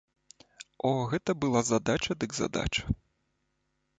О, гэта была задача дык задача!